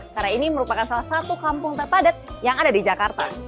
karena ini merupakan salah satu kampung terpadat yang ada di jakarta